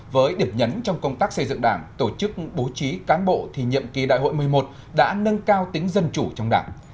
với điểm nhấn trong công tác xây dựng đảng tổ chức bố trí cán bộ thì nhiệm kỳ đại hội một mươi một đã nâng cao tính dân chủ trong đảng